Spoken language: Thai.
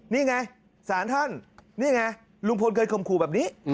นี่ไงศาลท่านนี่ไงลุงพลเคยข่มขู่แบบนี้